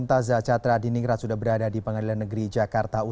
tajah sejauh ini apa yang bisa anda rangkapkan